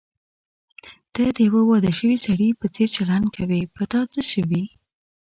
ته د یوه واده شوي سړي په څېر چلند کوې، په تا څه شوي؟